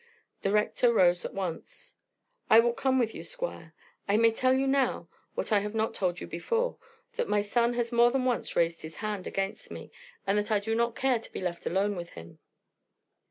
The Rector rose at once. "I will come with you, Squire. I may tell you now, what I have not told you before, that my son has more than once raised his hand against me, and that I do not care to be left alone with him."